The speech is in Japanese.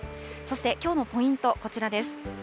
そしてきょうのポイント、こちらです。